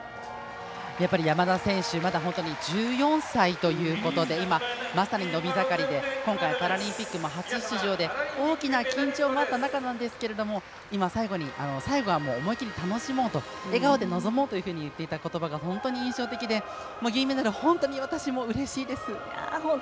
山田選手まだ１４歳ということで今まさに伸び盛りで今回、パラリンピックも初出場で、大きな緊張があった中なんですけれども最後は思いっきり楽しもうと笑顔で臨もうといっていたことばが本当に印象的で銀メダル本当に私もうれしいです！